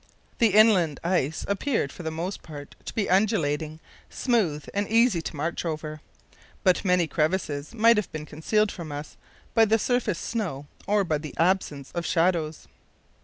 The inland ice appeared for the most part to be undulating, smooth, and easy to march over, but many crevasses might have been concealed from us by the surface snow or by the absence of shadows.